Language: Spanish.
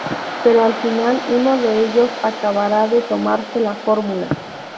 Pero al final uno de ellos acabara de tomarse la fórmula.